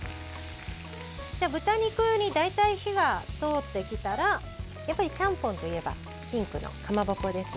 豚肉に大体、火が通ってきたらやっぱり、ちゃんぽんといえばピンクのかまぼこですね。